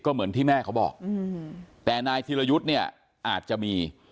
เหมือนที่แม่เขาบอกแต่นายธิรยุทธ์เนี่ยอาจจะมี